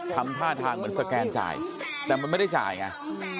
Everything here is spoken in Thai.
ทำท่าทางเหมือนสแกนจ่ายแต่มันไม่ได้จ่ายไง